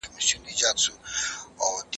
د دښتونو تر کیږدیو ګودرونو